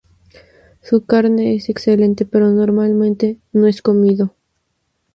Su carne es excelente pero, normalmente, no es comido